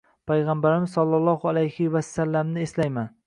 Payg‘ambarimiz sollallohu alayhi va sallamni eslayman.